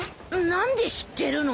何で知ってるの？